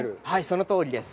そのとおりです。